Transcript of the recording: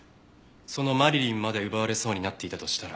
そのマリリンまで奪われそうになっていたとしたら。